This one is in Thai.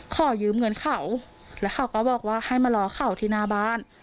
ขอยืมเงินเขาแล้วเขาก็บอกว่าให้มารอเขาที่หน้าบ้าน